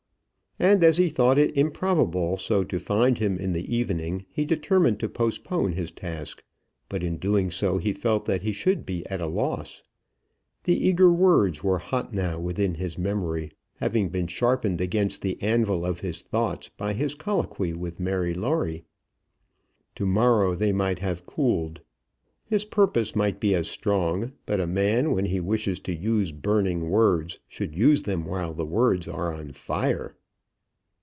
And as he thought it improbable so to find him in the evening, he determined to postpone his task. But in doing so he felt that he should be at a loss. The eager words were hot now within his memory, having been sharpened against the anvil of his thoughts by his colloquy with Mary Lawrie. To morrow they might have cooled. His purpose might be as strong; but a man when he wishes to use burning words should use them while the words are on fire.